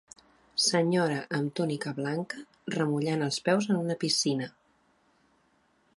Senyora amb túnica blanca remullant els peus en una piscina.